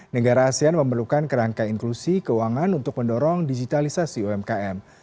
negara asean memerlukan kerangka inklusi keuangan untuk mendorong digitalisasi umkm